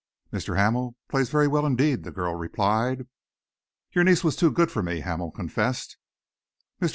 "Mr. Hamel plays very well, indeed," the girl replied. "Your niece was too good for me," Hamel confessed. Mr.